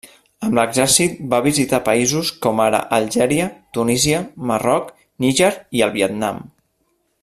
Amb l'exèrcit va visitar països com ara Algèria, Tunísia, Marroc, Níger i el Vietnam.